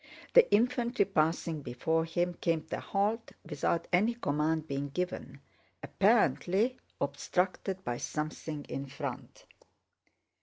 The infantry passing before him came to a halt without any command being given, apparently obstructed by something in front.